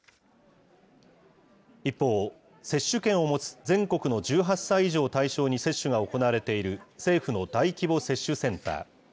一方、接種券を持つ全国の１８歳以上を対象に接種が行われている政府の大規模接種センター。